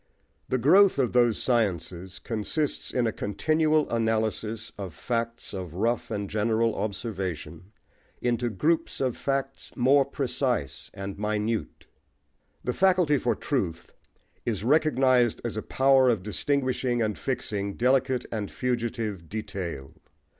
The growth of those sciences consists in a continual analysis of facts of rough and general observation into groups of facts more precise and minute. The faculty for truth is recognised as a power of distinguishing and fixing delicate and fugitive detail.